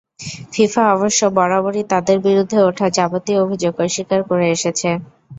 FIFA অবশ্য বরাবরই তাদের বিরুদ্ধে ওঠা যাবতীয় অভিযোগ অস্বীকার করে এসেছে।